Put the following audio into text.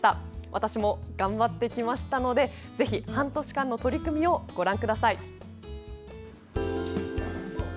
私も頑張ってきましたので半年間の取り組みをご覧ください。